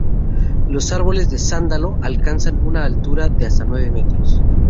Los árboles de sándalo alcanzaban una altura de hasta nueve metros.